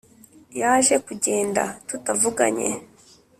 Yaje kugenda tutavuganye